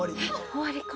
終わりか。